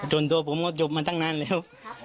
ส่วนตัวผมก็จบมาตั้งนานแล้ว